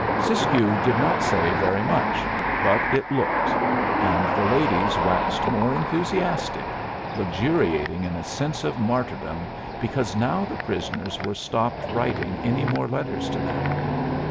Siskiyou did not say very much; but it looked; and the ladies waxed more enthusiastic, luxuriating in a sense of martyrdom because now the prisoners were stopped writing any more letters to them.